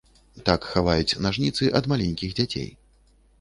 Так хаваюць нажніцы ад маленькіх дзяцей.